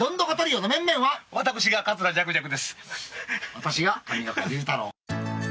私が上岡龍太郎。